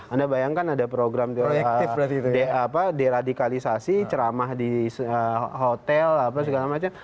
anda bayangkan ada program deradikalisasi ceramah di hotel apa segala macam